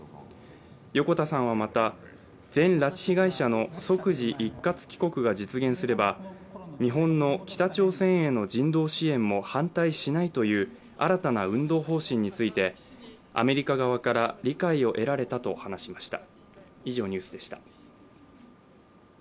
横田さんはまた、全拉致被害者の即時一括帰国が実現すれば日本の北朝鮮への人道支援も反対しないという新たな運動方針についてアメリカ側から理解を得られたと話しました。